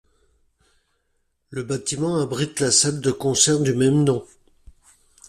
Le bâtiment abrite la salle de concert du même nom.